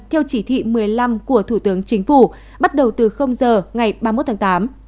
theo chỉ thị một mươi năm của thủ tướng chính phủ bắt đầu từ giờ ngày ba mươi một tháng tám